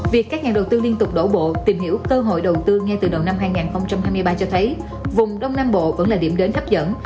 việc các nhà đầu tư liên tục đổ bộ tìm hiểu cơ hội đầu tư ngay từ đầu năm hai nghìn hai mươi ba cho thấy vùng đông nam bộ vẫn là điểm đến hấp dẫn